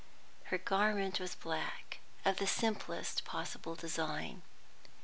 Her garment was black, of the simplest possible design.